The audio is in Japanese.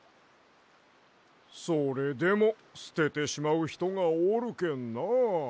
それでもすててしまうひとがおるけんな。